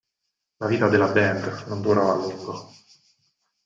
La vita della band non durò a lungo.